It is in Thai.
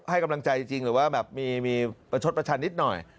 ให้กำลังใจจริงหรือว่าแบบมีประชดประชันนิดหน่อย